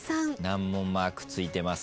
難問マークついてます。